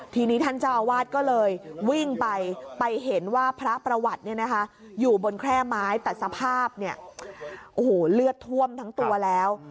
ทีนี้ท่านเจ้าอาวาสก็เลยวิ่งไปไปเห็นว่าพระประวัติเนี่ยนะคะอยู่บนแคร่ไม้แต่สภาพเนี่ยโอ้โหเลือดท่วมทั้งตัวแล้ว